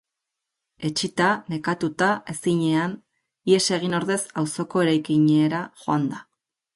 Etsita, nekatuta, ezinean, ihes egin ordez auzoko eraikinera joan da.